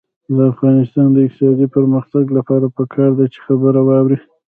د افغانستان د اقتصادي پرمختګ لپاره پکار ده چې خبره واورو.